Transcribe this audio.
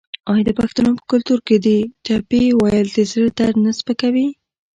آیا د پښتنو په کلتور کې د ټپې ویل د زړه درد نه سپکوي؟